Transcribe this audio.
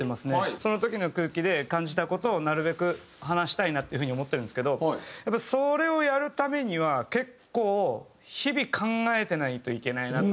その時の空気で感じた事をなるべく話したいなっていう風に思ってるんですけどそれをやるためには結構日々考えてないといけないなと。